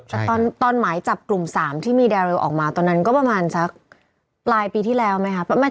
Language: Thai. แต่ตอนนั้นหมายจับกลุ่มสามที่มีดาริวส์ออกมางั้นก็ประมาณสักปลายปีที่แล้วไหม